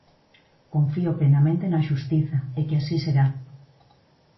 Confío plenamente na xustiza e que así será.